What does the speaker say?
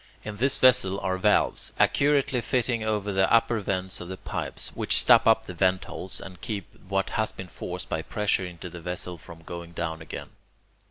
In this vessel are valves, accurately fitting over the upper vents of the pipes, which stop up the ventholes, and keep what has been forced by pressure into the vessel from going down again.